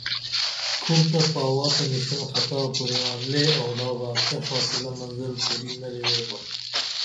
کُھر تہ پاوہ تہ نِڜن خطا کُرے آں لے آوڈا با کیہ فاصلہ مزل کُرے نلی ویبیاں